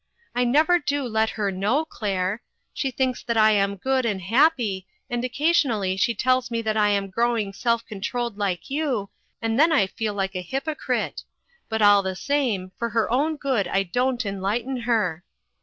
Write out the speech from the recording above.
I never do let her know, Claire. She thinks that I am good and happy, and occasionally she tells me that I am growing self controlled like you, and then I feel like a hypocrite ; but all the same, for her own good I don't enlighten her.